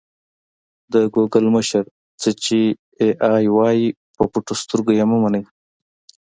د ګوګل مشر: څه چې اې ای وايي په پټو سترګو یې مه منئ.